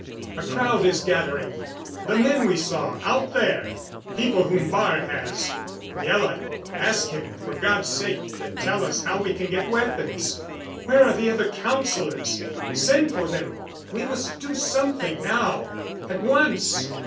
A crowd is gathering. The men we saw out there! People whom Baar has Miela, ask him, for God's sake, to tell us how we can get weapons. Where are the other councilors? Send for them. We must do something now, at once.